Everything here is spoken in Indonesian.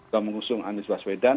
yang mengusung anies baswedan